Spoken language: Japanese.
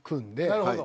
なるほど。